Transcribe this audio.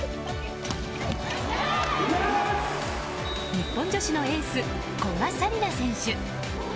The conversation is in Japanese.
日本女子のエース古賀紗理那選手。